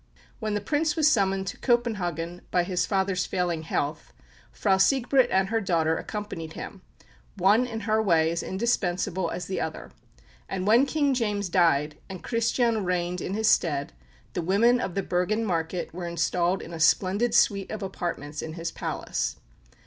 When the Prince was summoned to Copenhagen by his father's failing health, Frau Sigbrit and her daughter accompanied him, one in her way as indispensable as the other; and when King James died and Christian reigned in his stead, the women of the Bergen market were installed in a splendid suite of apartments in his palace.